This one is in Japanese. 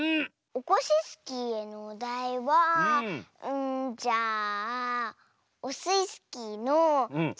オコシスキーへのおだいはうんじゃあオスイスキーのじゃあ「き」。